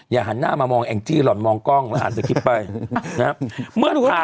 อย่าหันหน้ามามองแองม์จี้หรอนฮันก็อันสคริปเป็น